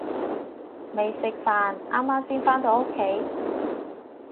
未食飯，啱啱先返到屋企